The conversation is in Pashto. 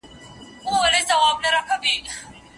شيطان په کومو طريقو سره د انسان د ګمراه کولو کوښښ کوي؟